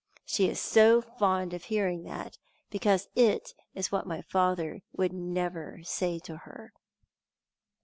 She is so fond of hearing that because it is what my father would never say to her."